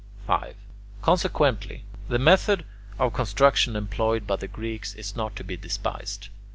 5. Consequently, the method of construction employed by the Greeks is not to be despised.